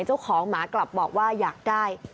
เจ้าของหมากลับบอกว่าอยากได้